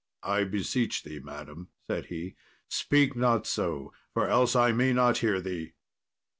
"I beseech thee, madam," said he, "speak not so, for else I may not hear thee."